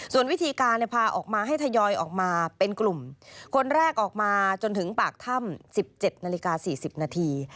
ส่วนวิธีการเนี่ยพาออกมาให้ทยอยออกมาเป็นกลุ่มคนแรกออกมาจนถึงปากท่ำสิบเจ็ดนาฬิกาสี่สิบนาที